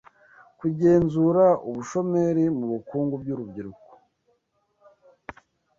Kugenzura ubushomeri mu bukungu byurubyiruko